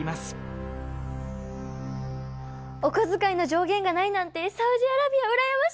お小遣いの上限がないなんてサウジアラビア羨ましい！